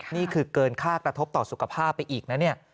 นี่คือเกินค่ากระทบต่อสุขภาพไปอีกนะเนี่ย